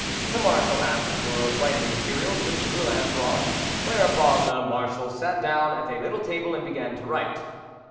The marshal asked for writing materials, which Moulin brought, whereupon the marshal sat down at a little table and began to write.